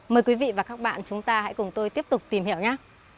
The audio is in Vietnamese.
mời quý vị và các bạn chúng ta hãy cùng tôi tiếp tục tìm hiểu nhé